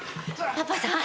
パパさん